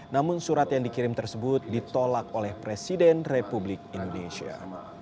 namun surat yang dikirim tersebut ditolak oleh presiden republik indonesia